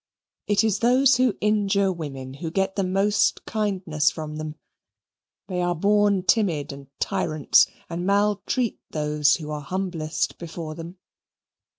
It is those who injure women who get the most kindness from them they are born timid and tyrants and maltreat those who are humblest before them.